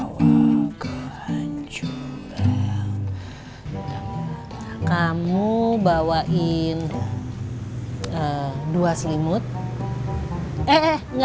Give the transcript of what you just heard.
kemudian jawaban bahasa inggris ziternya